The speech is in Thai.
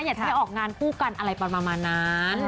อยากจะออกงานคู่กันอะไรประมาณนั้น